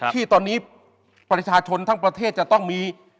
ที่ตอนนี้ประชาชนทั้งประเทศจะต้องมี